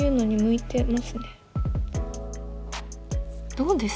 どうです？